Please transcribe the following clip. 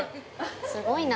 ◆すごいな。